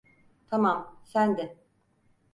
Tamam, sen de.